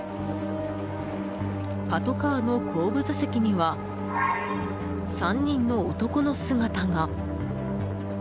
パトカーの後部座席には３人の男の姿が。